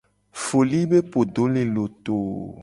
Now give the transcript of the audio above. Foli be podo le loto.